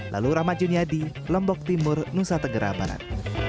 lalu ramadjun yadi lombok timur nusa tegera barat